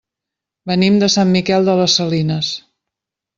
Venim de Sant Miquel de les Salines.